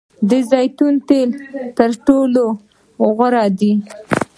د زیتون تیل تر ټولو غوره دي.